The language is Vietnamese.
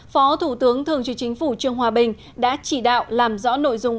phó thủ tướng thường trực chính phủ trương hòa bình đã chỉ đạo làm rõ nội dung